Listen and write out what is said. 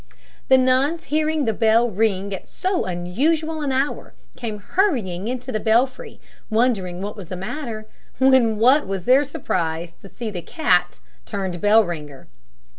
The nuns hearing the bell ring at so unusual an hour, came hurrying into the belfry, wondering what was the matter, when what was their surprise to see the cat turned bell ringer!